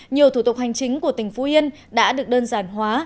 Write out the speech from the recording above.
nhiều thủ tục hành chính của tỉnh phú yên đã được đơn giản hóa